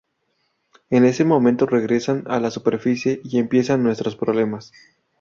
En ese momento regresan a la superficie y empiezan nuestros problemas.